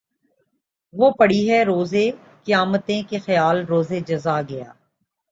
وہ پڑی ہیں روز قیامتیں کہ خیال روز جزا گیا